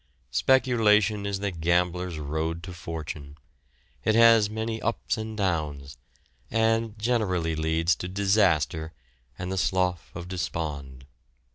Speculation is the gambler's road to fortune. It has many ups and downs, and generally leads to disaster and the "slough of despond."